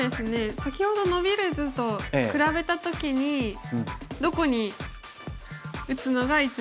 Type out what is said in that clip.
先ほどノビる図と比べた時にどこに打つのが一番変わるかっていう。